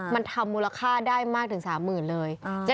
มันทำมูลค่าได้มากถึง๓๐๐๐เลย